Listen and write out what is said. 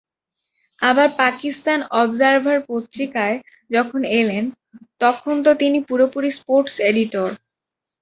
আবার পাকিস্তান অবজারভার পত্রিকায় যখন এলেন, তখন তো তিনি পুরোপুরি স্পোর্টস এডিটর।